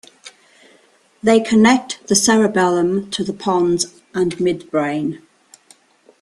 They connect the cerebellum to the pons and midbrain.